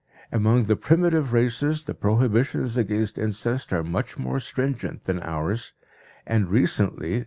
Among the primitive races the prohibitions against incest are much more stringent than ours, and recently Th.